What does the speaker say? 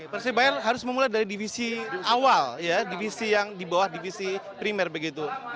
persebaya harus memulai dari divisi awal ya divisi yang di bawah divisi primer begitu